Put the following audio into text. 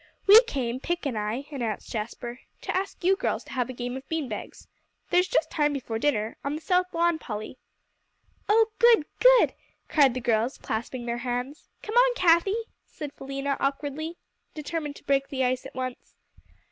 "We came, Pick and I," announced Jasper, "to ask you girls to have a game of bean bags. There's just time before dinner on the south lawn, Polly." "Oh, good good!" cried the girls, clapping their hands. "Come on, Cathie," said Philena awkwardly, determined to break the ice at once.